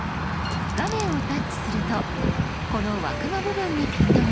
画面をタッチするとこの枠の部分にピントが合います。